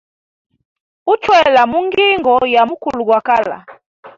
Uchwela mungingo ya mukulu gwa kala.